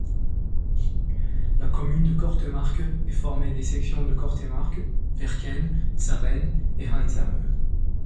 La commune de Kortemark est formée des sections de Kortemark, Werken, Zarren et Handzame.